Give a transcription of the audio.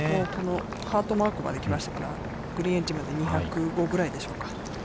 マークまで来ましたから、グリーンエッジまで２０５ぐらいでしょうか。